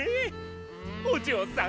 おじょうさん